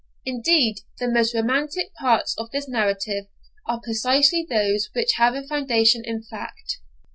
Indeed, the most romantic parts of this narrative are precisely those which have a foundation in fact.